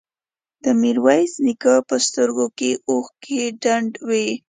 د ميرويس نيکه په سترګو کې اوښکې ډنډ وې.